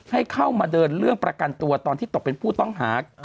ให้เข้ามาเดินเรื่องประกันตัวตอนที่ตกเป็นผู้ต้องหา